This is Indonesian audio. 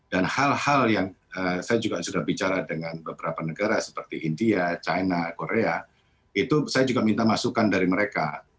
dan hal hal yang saya juga sudah bicara dengan beberapa negara seperti india china korea itu saya juga minta masukan dari mereka